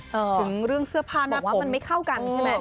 ถึงเรื่องเสื้อผ้าหน้าเพราะมันไม่เข้ากันใช่ไหม